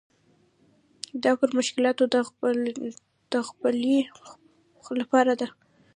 دا پر مشکلاتو د غلبې لپاره ده.